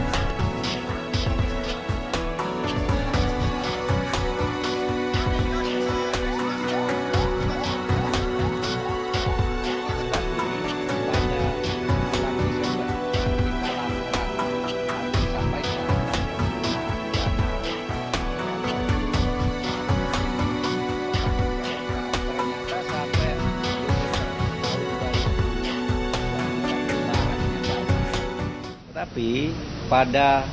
hai tapi pada